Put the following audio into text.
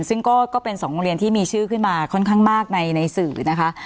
ซึ่งก็เป็น๒โรงเรียนที่มีชื่อขึ้นมาค่อนข้างมากในสื่อนะคะ